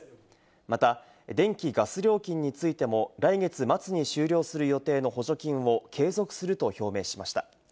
また電気・ガス料金についても、来月末に終了する予定の補助金を継続すると表明しました。